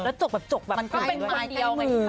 แล้วจกแบบจกแบบเป็นคนเดียวมันก็เป็นมายใกล้มือ